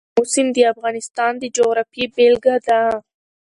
آمو سیند د افغانستان د جغرافیې بېلګه ده.